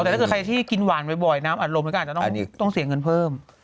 แต่ถ้าเกิดใครที่กินหวานบ่อยน้ำอัดลมมันก็อาจจะต้องเสียเงินเพิ่ม